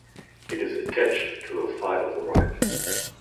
It is attached to the side of a rocket.